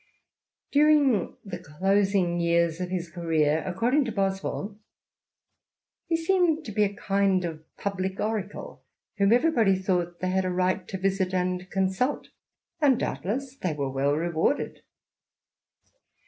During the closing years of his career, according to Boswell, " he seemed to be a kind of public oracle, whom everybody thought they had a right to visit and consult; and, doubtless, they were well rewarded."